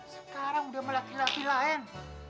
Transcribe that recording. sekarang udah melakili api lain